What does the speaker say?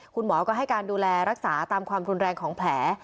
คุณหมอก็ให้การดูแลรักษาตามความรุนแรงของแผล